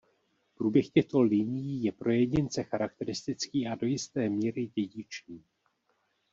Průběh těchto linií je pro jedince charakteristický a do jisté míry dědičný.